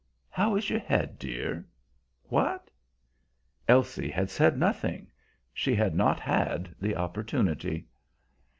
How is your head, dear what?" Elsie had said nothing; she had not had the opportunity.